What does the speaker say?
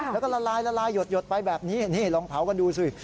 แล้วก็ละลายละลายหยดไปแบบนี้นี่ลองเผากันดูสิ